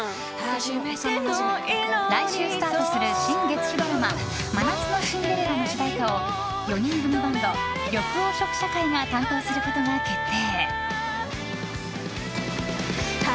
来週からスタートする新月９ドラマ「真夏のシンデレラ」の主題歌を４人組バンド、緑黄色社会が担当することが決定！